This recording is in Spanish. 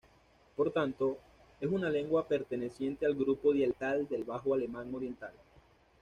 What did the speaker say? Por tanto, es una lengua perteneciente al grupo dialectal del bajo alemán oriental.